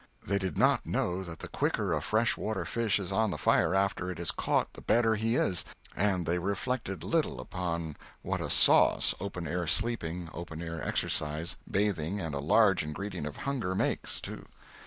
They did not know that the quicker a fresh water fish is on the fire after he is caught the better he is; and they reflected little upon what a sauce open air sleeping, open air exercise, bathing, and a large ingredient of hunger make, too.